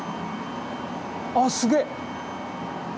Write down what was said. ああすげえ！